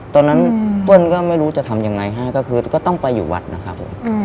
เปิ้ลก็ไม่รู้จะทำยังไงให้ก็คือก็ต้องไปอยู่วัดนะครับผม